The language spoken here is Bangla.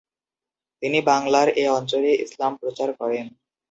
তিনি বাংলার এ অঞ্চলে ইসলাম প্রচার করেন।